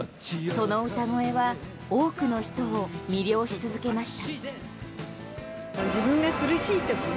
その歌声は多くの人を魅了し続けました。